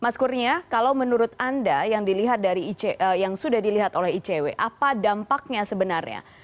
mas kurnia kalau menurut anda yang sudah dilihat oleh icw apa dampaknya sebenarnya